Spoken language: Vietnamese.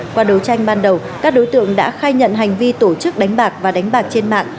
qua đấu tranh ban đầu các đối tượng đã khai nhận hành vi tổ chức đánh bạc và đánh bạc trên mạng